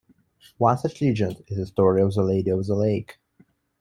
One such legend is the story of the Lady of the Lake.